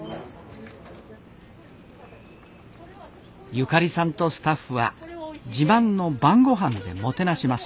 ゆかりさんとスタッフは自慢の晩ごはんでもてなします。